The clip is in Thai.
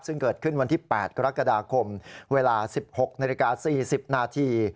ซึ่งเกิดขึ้นวันที่๘กรกฎาคมเวลา๑๖นาฬิกา๔๐นาที